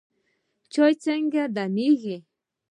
چای څنګه دمیږي؟